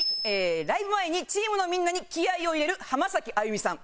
ライブ前にチームのみんなに気合を入れる浜崎あゆみさん。